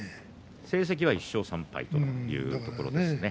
成績は１勝３敗ということですね。